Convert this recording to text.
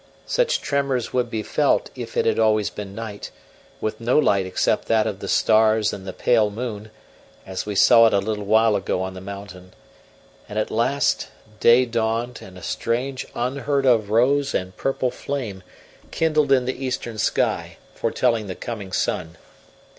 Such tremors would be felt if it had always been night, with no light except that of the stars and the pale moon, as we saw it a little while ago on the mountain; and, at last, day dawned, and a strange, unheard of rose and purple flame kindled in the eastern sky, foretelling the coming sun.